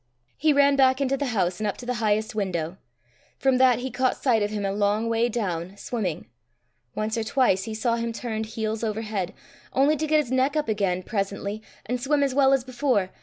He ran back into the house, and up to the highest window. From that he caught sight of him a long way down, swimming. Once or twice he saw him turned heels over head only to get his neck up again presently, and swim as well as before.